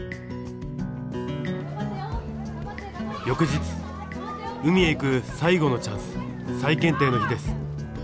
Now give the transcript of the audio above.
翌日海へ行く最後のチャンス再検定の日です。